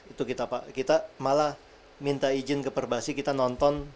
itu kita malah minta izin ke perbasi kita nonton